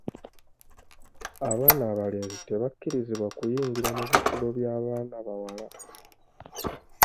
Abaana abalenzi tebakkirizibwa kuyingira mu bisulo by'abaana bawala.